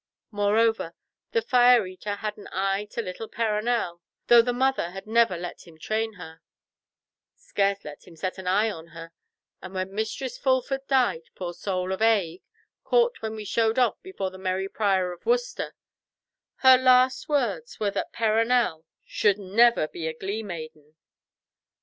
Moreover, the Fire eater had an eye to little Perronel, though her mother had never let him train her—scarce let him set an eye on her; and when Mistress Fulford died, poor soul, of ague, caught when we showed off before the merry Prior of Worcester, her last words were that Perronel should never be a glee maiden.